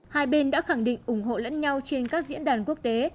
hai bên đã khẳng định ủng hộ lẫn nhau trên các diễn đàn quốc tế